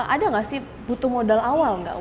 ada gak sih butuh modal awal gak